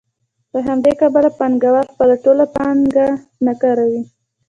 له همدې کبله پانګوال خپله ټوله پانګه نه کاروي